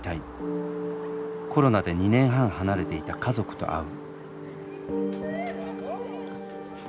コロナで２年半離れていた家族と会う。